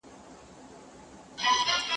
که کوڅه وه که بازار ورته پېغور وو